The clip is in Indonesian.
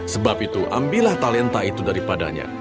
sebab itu ambillah talenta itu daripadanya